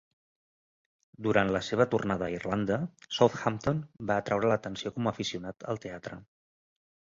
Durant la seva tornada a Irlanda, Southampton va atraure l'atenció com a aficionat al teatre.